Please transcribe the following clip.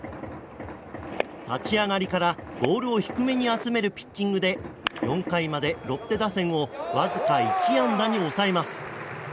立ち上がりからボールを低めに集めるピッチングで４回までロッテ打線をわずか１安打に抑えます。